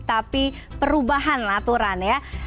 tapi perubahan laturan ya